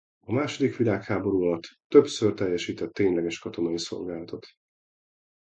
A második világháború alatt többször teljesített tényleges katonai szolgálatot.